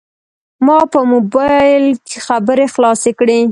ما په موبایل خبرې خلاصې کړې.